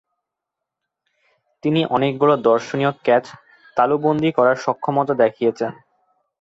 তিনি অনেকগুলো দর্শনীয় ক্যাচ তালুবন্দী করার সক্ষমতা দেখিয়েছেন।